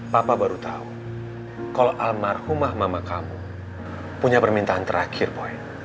papa baru tahu kalau almarhumah mama kamu punya permintaan terakhir boy